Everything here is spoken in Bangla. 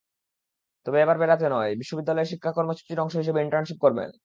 তবে এবার বেড়াতে নয়, বিশ্ববিদ্যালয়ের শিক্ষা কর্মসূচির অংশ হিসেবে ইন্টার্নশিপ করবেন।